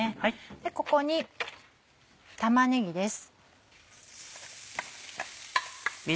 でここに玉ねぎです。